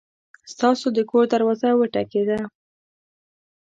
ستاسو د کور دروازه وټکېده!